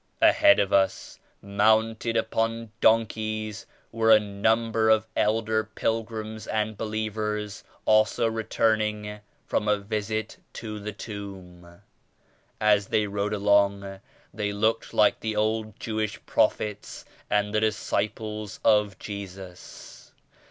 Ahead of us mounted upon donkeys were a number of elder pilgrims and believers also returning from a visit to the Tomb. As they rode along they looked like the old Jewish prophets and the Disciples of Jesus.